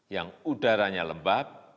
yang udaranya lembab